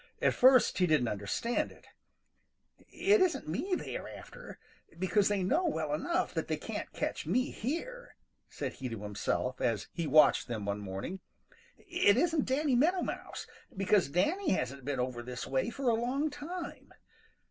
At first he didn't understand it. "It isn't me they are after, because they know well enough that they can't catch me here," said he to himself, as he watched them one morning. "It isn't Danny Meadow Mouse, because Danny hasn't been over this way for a long time.